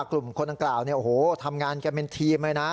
กลุ่มคนอังกฤษทำงานแก่เป็นทีมเลยนะ